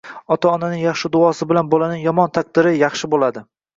Ota-onaning yaxshi duosi bilan bolaning yomon taqdiri yaxshi bo‘ladi